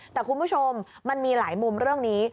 แต่คุณผู้ชมมันมีหลายมุมเรื่องนี้